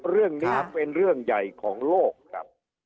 เรื่องนี้เป็นเรื่องใหญ่ของโลกครับ